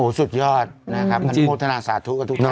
โอ้สุดยอดนะครับมันโฆษณาสาธุกับทุกคนด้วย